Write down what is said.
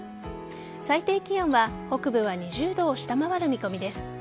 最低気温は北部は２０度を下回る見込みです。